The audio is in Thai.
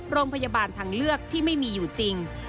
โรงพยาบาลทางเลือกที่ไม่มีอยู่จริง